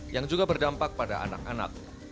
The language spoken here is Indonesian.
yang juga berdampak pada anak anak